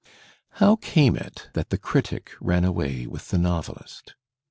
How came it that the critic ran away with the novelist?